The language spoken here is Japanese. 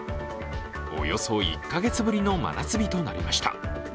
およそ１か月ぶりの真夏日となりました。